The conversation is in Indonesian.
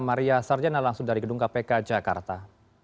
maria sarjana langsung dari gedung kpk jakarta